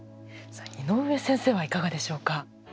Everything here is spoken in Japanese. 井ノ上先生はいかがでしょうか？